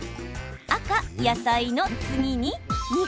赤・野菜の次に肉。